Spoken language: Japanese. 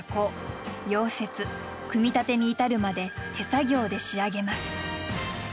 溶接組み立てに至るまで手作業で仕上げます。